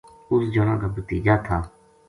اس جنا کا بھتیجا تھا